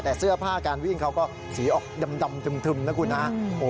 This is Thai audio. แต่เสื้อผ้าการวิ่งเขาก็สีออกดำทึมนะคุณฮะ